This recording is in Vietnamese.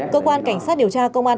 cơ quan cảnh sát điều tra công an